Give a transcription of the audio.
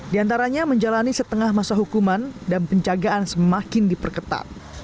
di antaranya menjalani setengah masa hukuman dan penjagaan semakin diperketat